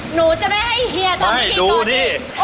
หนูจะไม่ให้เฮียทำให้กินตรงนี้